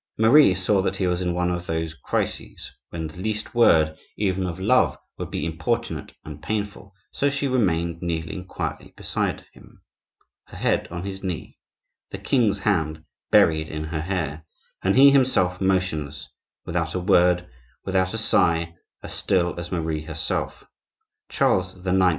Marie saw that he was in one of those crises when the least word, even of love, would be importunate and painful; so she remained kneeling quietly beside him, her head on his knee, the king's hand buried in her hair, and he himself motionless, without a word, without a sigh, as still as Marie herself,—Charles IX.